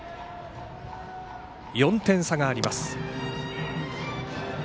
４点差があります。